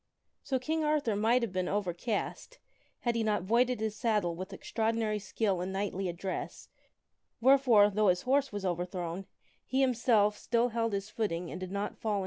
So King Arthur might have been overcast, had he not voided his saddle with extraordinary skill and knightly address, wheretore, though his horse was King Arthur overthrown, he himself still held his footing and did not fall is overthrown.